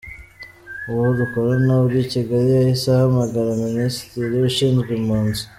Uwo dukorana uri i Kigali yahise ahamagara Minisitiri ushinzwe impunzi.